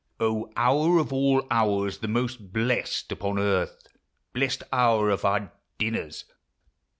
O hour of all hours, the most blest upon earth, Blest hour of our dinners